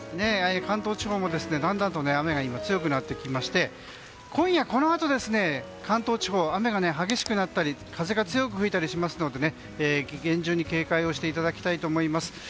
関東地方もだんだんと雨が強くなってきまして今夜このあと、関東地方雨が激しくなったり風が強く吹いたりしますので厳重に警戒していただきたいと思います。